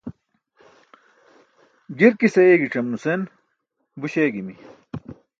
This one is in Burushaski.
Girkis ayeegicam nusen, buś eegimi.